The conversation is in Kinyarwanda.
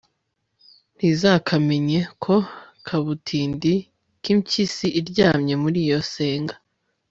ntizakamenye ko kabutindi k'impyisi iryamye muri iyo senga